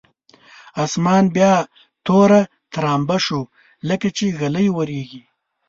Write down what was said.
اسمان بیا توره ترامبه شو لکچې ږلۍ اورېږي.